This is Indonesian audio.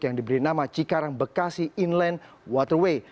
yang diberi nama cikarang bekasi inland waterway